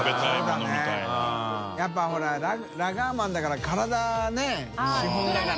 笋辰ほらラガーマンだから体ね基本だから。